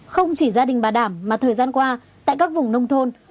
không chỉ gia đình bà đảm mà thời gian qua tại các vùng nông thôn